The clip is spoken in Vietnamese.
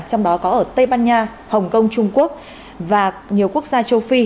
trong đó có ở tây ban nha hồng kông trung quốc và nhiều quốc gia châu phi